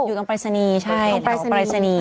อยู่ตรงปริศนีย์ใช่แถวปริศนีย์ค่ะ